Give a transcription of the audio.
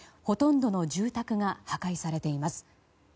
ほとんどの住宅が破壊されています。